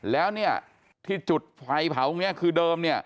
แล้วที่จุดไฟเผาตรงนี้คือเดิม